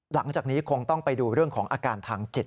หลังจากนี้คงต้องไปดูเรื่องของอาการทางจิต